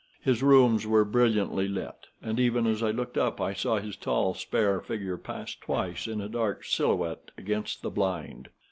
His rooms were brilliantly lighted, and even as I looked up, I saw his tall, spare figure pass twice in a dark silhouette against the blind.